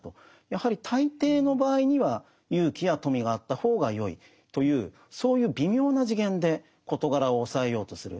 やはり大抵の場合には勇気や富があった方がよいというそういう微妙な次元で事柄をおさえようとする。